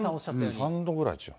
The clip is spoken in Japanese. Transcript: ３度ぐらい違う。